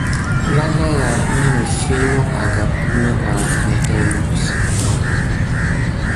Lalaya mifi nok agamp puna bay abay siga tät niklte suck ɓa.